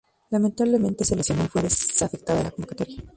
Lamentablemente se lesionó y fue desafectado de la convocatoria.